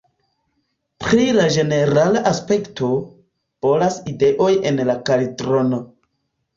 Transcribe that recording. Pri la ĝenerala aspekto, bolas ideoj en la kaldrono.